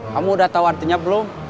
kamu udah tahu artinya belum